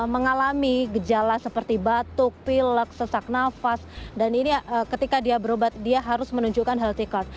mengalami gejala seperti batuk pilek sesak nafas dan ini ketika dia berobat dia harus menunjukkan healthy card